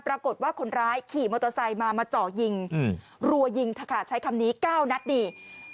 ปรากฏว่าคนร้ายขี่มอเตอร์ไซค์มามาเจาะยิงรัวยิงเถอะค่ะใช้คำนี้๙นัดดี